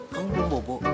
kau belum bobo